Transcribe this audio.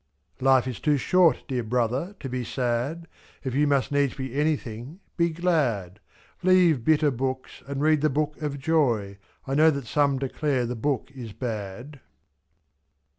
Life is too short, dear brother, to be sad; If you must needs be anything — be glad ; /oaLeave bitter books, and read the Book of Joy — I know that some declare the book is bad.